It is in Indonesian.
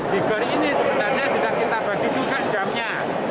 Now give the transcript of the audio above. di gori ini sebenarnya tidak kita bagi juga jamnya